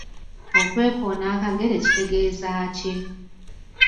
Okwekoona akagere kitegeeza ki?.